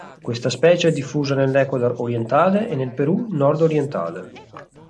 Questa specie è diffusa nell'Ecuador orientale e nel Perù nord-orientale.